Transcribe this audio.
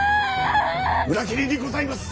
裏切りにございます！